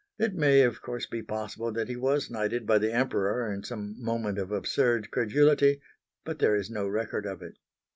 It may of course be possible that he was knighted by the Emperor in some moment of absurd credulity; but there is no record of it.